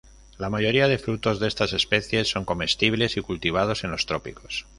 La mayoría de frutos de estas especies son comestibles y cultivados en los trópicos.